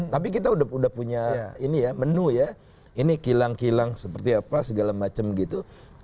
tapi kita sudah punya menu ya ini kilang kilang seperti apa segala macam gitu